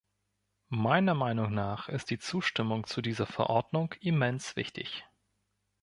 Meiner Meinung nach ist die Zustimmung zu dieser Verordnung immens wichtig.